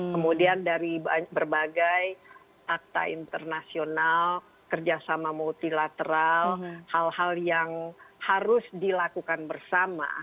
kemudian dari berbagai akta internasional kerjasama multilateral hal hal yang harus dilakukan bersama